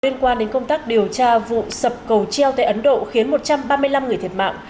liên quan đến công tác điều tra vụ sập cầu treo tại ấn độ khiến một trăm ba mươi năm người thiệt mạng